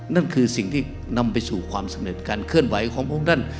นั่นคือสิ่งที่นำไปสู่ความสำเร็จการเคลื่อนไหวของพระองค์ท่าน